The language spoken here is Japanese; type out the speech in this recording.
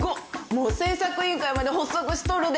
もう製作委員会まで発足しとるで。